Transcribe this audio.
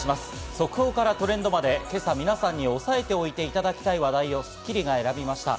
速報からトレンドまで今朝、皆さんに押さえておいていただきたい話題を『スッキリ』が選びました。